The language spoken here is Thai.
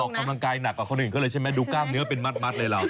ออกกำลังกายหนักกว่าคนอื่นเขาเลยใช่ไหมดูกล้ามเนื้อเป็นมัดเลยเรา